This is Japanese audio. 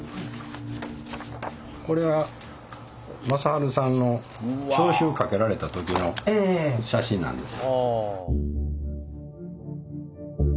これが正治さんの召集かけられた時の写真なんです。